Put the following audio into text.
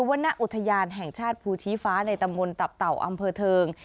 วรรณอุทยานแห่งชาติภูชีฟ้าในตำบลตับเต่าอำเภอเทิง